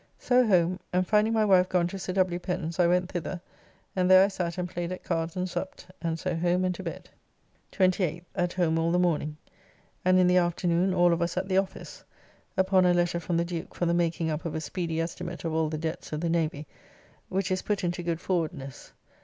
So home, and finding my wife gone to Sir W. Pen's, I went thither, and there I sat and played at cards and supped, and so home and to bed. 28th. At home all the morning; and in the afternoon all of us at the office, upon a letter from the Duke for the making up of a speedy estimate of all the debts of the Navy, which is put into good forwardness.